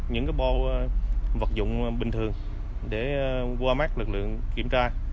những bộ vật dụng bình thường để qua mạc lực lượng kiểm tra